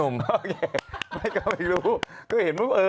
ไม่ก็ไม่รู้